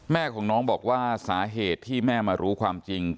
แม่ของน้องบอกว่าสาเหตุที่แม่มารู้ความจริง